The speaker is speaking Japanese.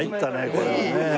これはね。